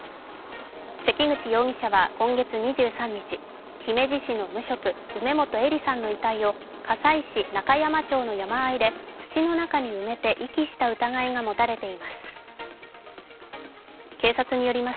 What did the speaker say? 関口容疑者は今月２３日、姫路市の無職、梅本依里さんの遺体を加西市中山町の山間で土の中に埋めて遺棄した疑いが持たれています。